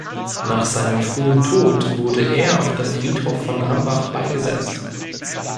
Nach seinem frühen Tod wurde er auf dem Friedhof von Hambach beigesetzt.